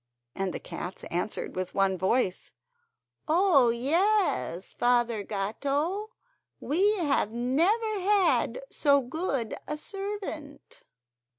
and the cats answered with one voice: "Oh, yes, Father Gatto, we have never had so good a servant!"